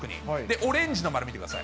オレンジの丸見てください。